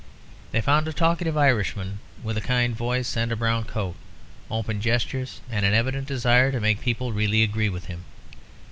They found a talkative Irishman with a kind voice and a brown coat; open gestures and an evident desire to make people really agree with him.